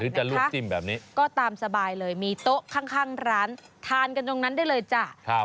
จะลวกจิ้มแบบนี้ก็ตามสบายเลยมีโต๊ะข้างร้านทานกันตรงนั้นได้เลยจ้ะ